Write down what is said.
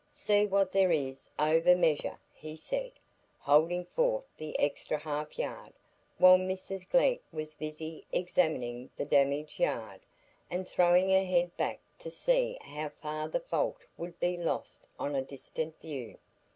"See what there is over measure!" he said, holding forth the extra half yard, while Mrs Glegg was busy examining the damaged yard, and throwing her head back to see how far the fault would be lost on a distant view.